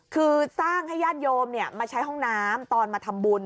คือสร้างให้ญาติโยมมาใช้ห้องน้ำตอนมาทำบุญ